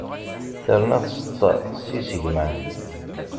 Terna tseṭṭa s isegman.